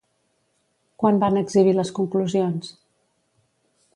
Quan van exhibir les conclusions?